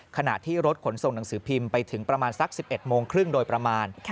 ขณะที่รถขนส่งหนังสือพิมพ์ไปถึงประมาณสัก๑๑โมงครึ่งโดยประมาณ